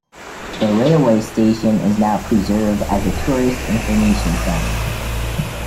The railway station is now preserved as a tourist information centre.